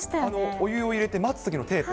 お湯を入れて待つときのテープ。